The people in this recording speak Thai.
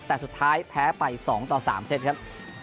แต่สุดท้ายแพ้ไปสองต่อสามเซ็ตครับ